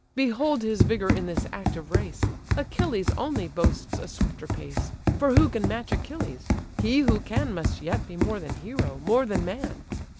Behold his vigour in this active race! Achilles only boasts a swifter pace: For who can match Achilles? He who can, Must yet be more than hero, more than man."